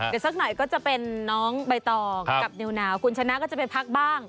เดี๋ยวสักหน่อยก็จะเป็นน้องใบตองกับนิวนาวคุณชนะก็จะไปพักบ้าง